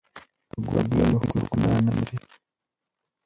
که ګل وي نو ښکلا نه مري.